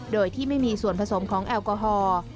โดยที่ไม่มีส่วนผสมของแอลกอฮอล์